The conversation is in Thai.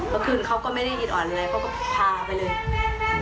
เมื่อคืนเขาก็ไม่ได้อิดอ่อนอะไรก็พาไปเลย